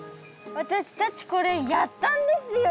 私たちこれやったんですよ